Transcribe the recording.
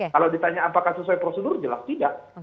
kalau ditanya apakah sesuai prosedur jelas tidak